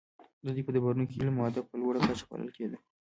د دوی په دربارونو کې علم او ادب په لوړه کچه پالل کیده